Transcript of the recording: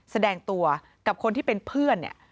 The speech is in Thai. แสดงตัวกับคนที่เป็นเพื่อนเนี่ย